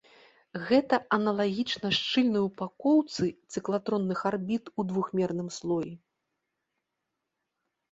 Гэта аналагічна шчыльнай упакоўцы цыклатронных арбіт ў двухмерным слоі.